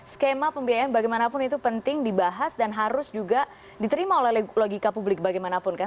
skema pembiayaan bagaimanapun itu penting dibahas dan harus juga diterima oleh logika publik bagaimanapun kan